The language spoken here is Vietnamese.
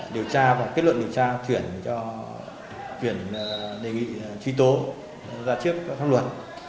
kết luận điều tra chuyển cho đề nghị truy tố ra trước các pháp luật